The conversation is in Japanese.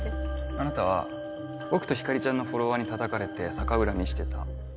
あなたは僕と光莉ちゃんのフォロワーにたたかれて逆恨みしてた。